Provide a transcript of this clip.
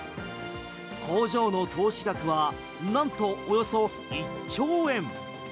工場の投資額は何とおよそ１兆円。